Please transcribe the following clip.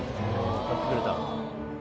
わかってくれた。